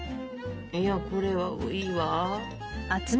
いやこれはいいわ。